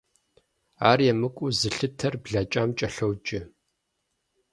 Ар емыкӀуу зылъытэр блэкӀам кӀэлъоджэ.